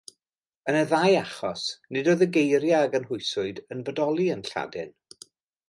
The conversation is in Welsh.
Yn y ddau achos, nid oedd y geiriau a gynhwyswyd yn bodoli yn Lladin.